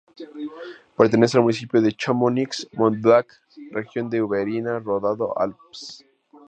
Pertenece al municipio de Chamonix-Mont-Blanc, región de Auvernia-Ródano-Alpes.